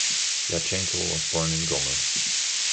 Yatchenko was born in Gomel.